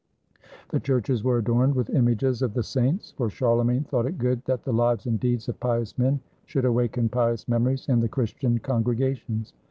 The churches were adorned with images of the saints, for Charlemagne thought it good that the lives and deeds of pious men should awaken pious memories in the Christian congregations.